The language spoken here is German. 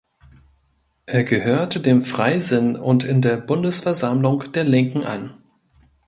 Er gehörte dem Freisinn und in der Bundesversammlung der Linken an.